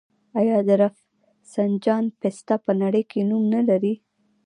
آیا د رفسنجان پسته په نړۍ کې نوم نلري؟